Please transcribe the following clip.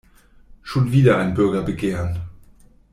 Schon wieder ein Bürgerbegehren.